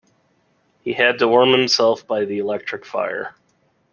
He had to warm himself by the electric fire